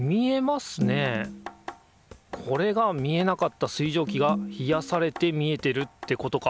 これが見えなかった水蒸気が冷やされて見えてるってことか。